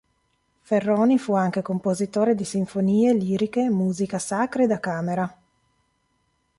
Ferroni fu anche compositore di sinfonie, liriche, musica sacra e da camera.